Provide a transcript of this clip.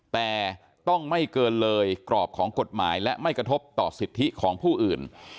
แต่ต้องไม่เกินเลยกรอบของกฎหมายและไม่กระทบต่อสิทธิของผู้อื่น